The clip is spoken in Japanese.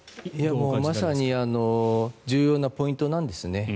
まさに重要なポイントなんですね。